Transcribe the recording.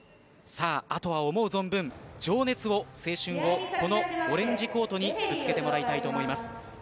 あとは思う存分情熱を、青春をこのオレンジコートにぶつけてもらいたいと思います。